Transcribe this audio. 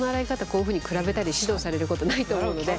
こういうふうに比べたり指導されることないと思うので。